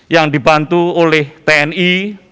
yang dibantu oleh tni